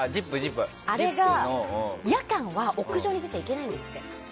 あれ、夜間は屋上に出ちゃいけないんですって。